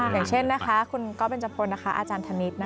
อย่างเช่นนะคะคุณก๊อฟเบนจพลอาจารย์ธนิษฐ์